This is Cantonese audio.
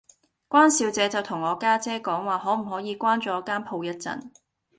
關小姐就同我家姐講話可唔可以關左間鋪一陣